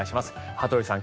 羽鳥さん